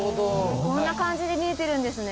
こんな感じで見えてるんですね。